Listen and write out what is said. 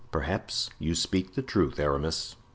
"Perhaps you speak the truth, Aramis."